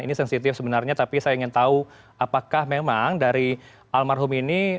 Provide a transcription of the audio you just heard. ini sensitif sebenarnya tapi saya ingin tahu apakah memang dari almarhum ini